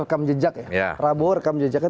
rekam jejak ya prabowo rekam jejaknya